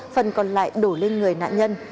phần còn lại đổ lên người nạn nhân